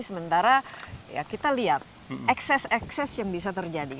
sementara ya kita lihat ekses ekses yang bisa terjadi